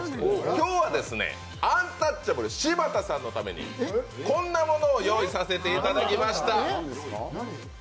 今日はアンタッチャブル・柴田さんのためにこんなものを用意させていただきました。